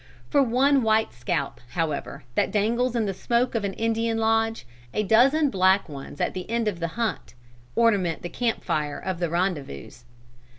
For one white scalp, however, that dangles in the smoke of an Indian lodge, a dozen black ones at the end of the hunt ornament the camp fire of the rendezvous.